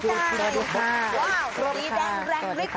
สวัสดีค่ะ